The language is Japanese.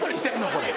これ。